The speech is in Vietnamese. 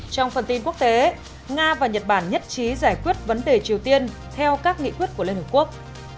trong phần tin quốc tế nga và nhật bản nhất trí giải quyết vấn đề triều tiên theo các nghị quyết của liên hợp quốc